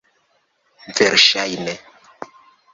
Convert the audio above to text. verŝajne